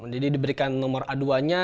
jadi diberikan nomor aduanya